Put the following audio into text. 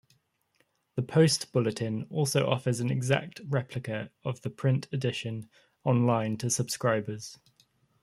The "Post-Bulletin" also offers an exact replica of the print edition online to subscribers.